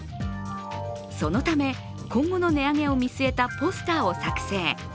そのため今後の値上げを見据えたポスターを作成。